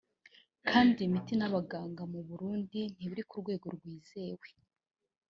kandi imiti n’Abaganga mu Burundi ntibiri ku rwego rwizewe